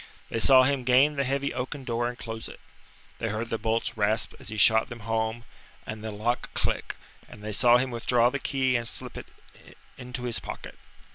They saw him gain the heavy oaken door and close it. They heard the bolts rasp as he shot them home, and the lock click; and they saw him withdraw the key and slip it into his pocket.